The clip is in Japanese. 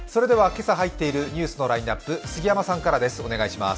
今朝入っているニュースのラインナップ、杉山さんからです。